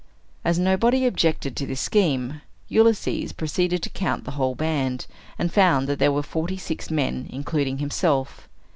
As nobody objected to this scheme, Ulysses proceeded to count the whole band, and found that there were forty six men, including himself.